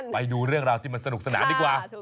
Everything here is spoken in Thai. ไปดูเรื่องราวที่มันสนุกสนานดีกว่า